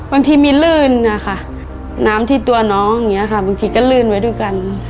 บางทีมีลื่นน้ำที่ตัวน้องบางทีก็ลื่นไว้ดูกัน